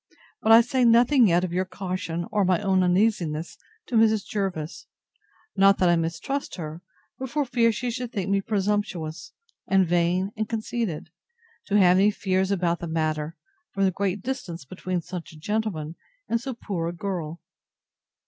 But I say nothing yet of your caution, or my own uneasiness, to Mrs. Jervis; not that I mistrust her, but for fear she should think me presumptuous, and vain and conceited, to have any fears about the matter, from the great distance between such a gentleman, and so poor a girl.